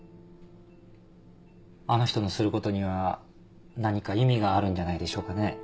あの人のすることには何か意味があるんじゃないでしょうかね。